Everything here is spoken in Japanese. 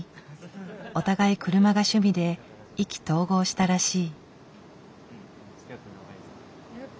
お互い車が趣味で意気投合したらしい。